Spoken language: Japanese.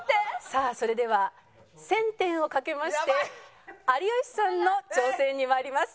さあそれでは１０００点を賭けまして有吉さんの挑戦に参ります。